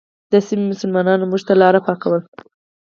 د سیمې مسلمانانو موږ ته لاره پاکوله.